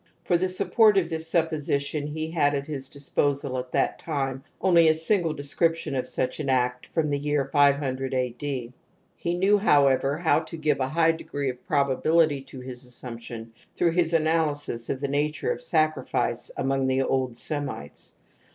For the support of this supposition he had at his disposal at that time only a single descrfption of such an act from the year 500 a.d. ; he knew, however, how to give a high degree of probability to his assimiption through his analysis of the natiu'c of sacrifice among the old Semites.